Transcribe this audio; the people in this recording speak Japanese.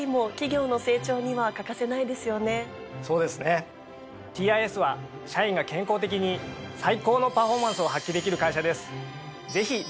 そうですねＴＩＳは社員が健康的に最高のパフォーマンスを発揮できる会社です。